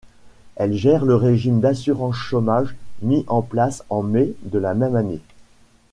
Elle gère le régime d’assurance-chômage mis en place en mai de la même année.